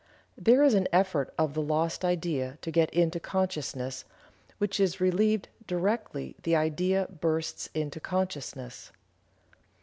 There is an effort of the lost idea to get into consciousness, which is relieved directly the idea bursts into consciousness."